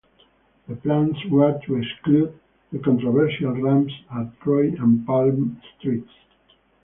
The plans were to exclude the controversial ramps at Troy and Palm streets.